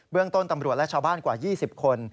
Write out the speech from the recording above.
เรื่องต้นตำรวจและชาวบ้านกว่า๒๐คน